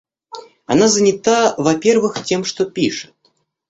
Она занята, во-первых, тем, что пишет.